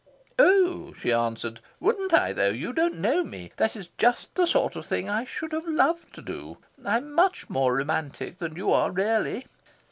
"Oh," she answered, "wouldn't I though? You don't know me. That is just the sort of thing I should have loved to do. I am much more romantic than you are, really.